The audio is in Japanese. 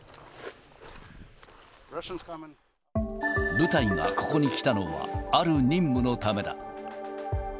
部隊がここに来たのは、ある任務のためだ。